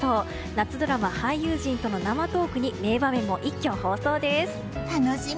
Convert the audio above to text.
夏ドラマ俳優陣との生トークに名場面も一挙放送です。